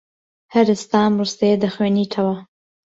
هەر ئێستا ئەم ڕستەیە دەخوێنیتەوە.